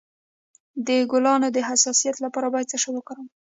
د ګلانو د حساسیت لپاره باید څه وکاروم؟